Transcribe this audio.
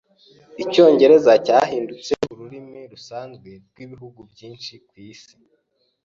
Icyongereza cyahindutse ururimi rusanzwe rwibihugu byinshi kwisi.